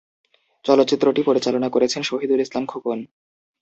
চলচ্চিত্রটি পরিচালনা করেছেন শহীদুল ইসলাম খোকন।